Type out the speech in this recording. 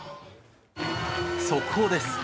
速報です。